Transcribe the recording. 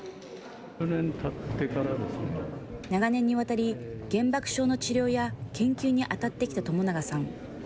長年にわたり、原爆症の治療や研究に当たってきた朝長さん。